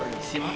pergi sih mak